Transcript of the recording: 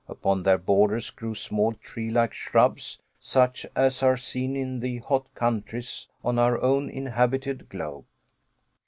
Upon their borders grew small treelike shrubs, such as are seen in the hot countries on our own inhabited globe.